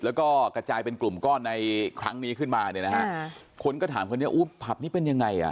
แล้วก็กระจายเป็นกลุ่มก้อนในครั้งนี้ขึ้นมาเนี่ยนะฮะ